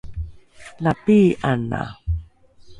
la pii’ana!